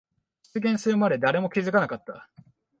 出現するまで誰も気づかなかった。